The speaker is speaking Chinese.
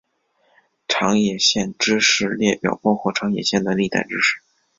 长野县知事列表包括长野县的历代知事。